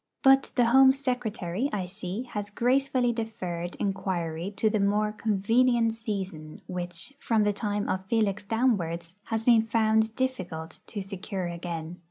But the Home Secretary, I see, has gracefully deferred enquiry to the more convenient season which, from the time of Felix downwards, has been found difficult to secure again.